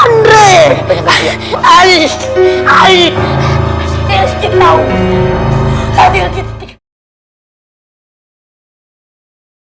tidurin tidurin kamu ke sana